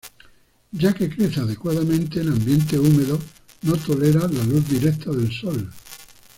Ya que crece adecuadamente en ambientes húmedos, no tolera la luz directa del sol.